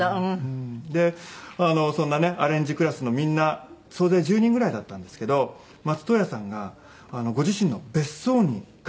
でそんなねアレンジクラスのみんな総勢１０人ぐらいだったんですけど松任谷さんがご自身の別荘に合宿に連れて行ってくださって。